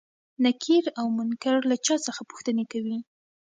نکير او منکر له چا څخه پوښتنې کوي؟